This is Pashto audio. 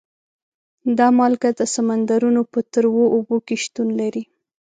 دا مالګه د سمندرونو په تروو اوبو کې شتون لري.